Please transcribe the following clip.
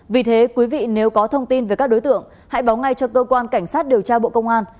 vì thế quý vị nếu có thông tin về các đối tượng hãy báo ngay cho cơ quan cảnh sát điều tra bộ công an